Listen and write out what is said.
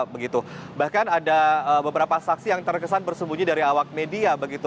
begitu bahkan ada beberapa saksi yang terkesan bersembunyi dari awak media